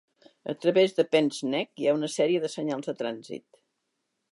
A través de Penns Neck hi ha una sèrie de senyals de trànsit.